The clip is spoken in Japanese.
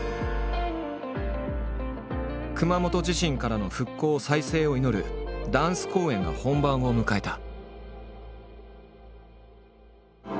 熊本地震からの復興・再生を祈るダンス公演が本番を迎えた。